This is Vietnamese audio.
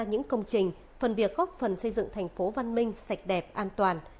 những công trình phần việc góp phần xây dựng thành phố văn minh sạch đẹp an toàn